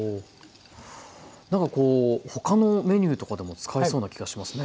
なんかこうほかのメニューとかでも使えそうな気がしますね。